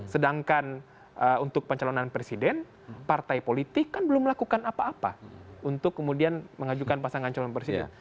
sedangkan untuk pencalonan presiden partai politik kan belum melakukan apa apa untuk kemudian mengajukan pasangan calon presiden